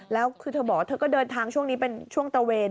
แล้วคือเธอบอกเธอก็เดินทางช่วงนี้เป็นช่วงตระเวน